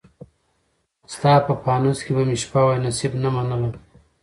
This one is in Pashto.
ستا په پانوس کي به مي شپه وای، نصیب نه منلم